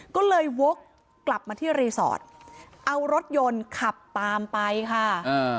ก็เลยโวรกกลับมาที่ขวางทางเอารถยนต์ขับตามไปค่ะเออ